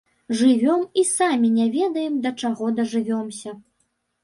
Жывём і самі не ведаем, да чаго дажывёмся.